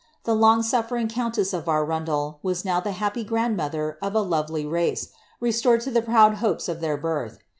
The long sufiering countess of Arundel was now the happy grandmother of a lovely race, restored to the proud hopes of their birth.